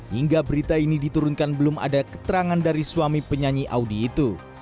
hingga berita ini diturunkan belum ada keterangan dari suami penyanyi audi itu